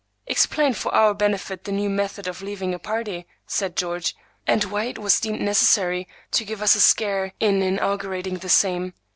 "Explain, for our benefit, the new method of leaving a party," said George, "and why it was deemed necessary to give us a scare in inaugurating the same."